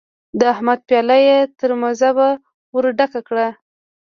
د احمد پياله يې تر مذبه ور ډکه کړه.